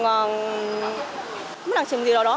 không nào trường gì đó đó